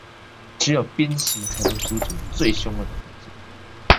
只有鞭刑才能阻止最兇惡的犯罪